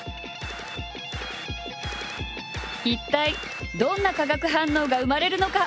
一体どんな化学反応が生まれるのか？